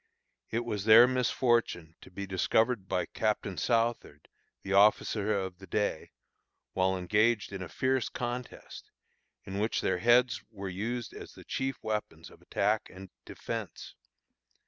It was their misfortune to be discovered by Captain Southard, the officer of the day, while engaged in a fierce contest, in which their heads were used as the chief weapons of attack and defence.